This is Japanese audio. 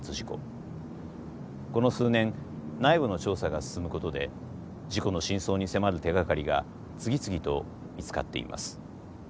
この数年内部の調査が進むことで事故の真相に迫る手がかりが次々と見つかっています。